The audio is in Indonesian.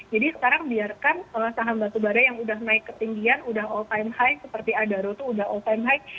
jadi sekarang biarkan kalau saham batu bara yang udah naik ketinggian udah all time high seperti adaro tuh udah all time high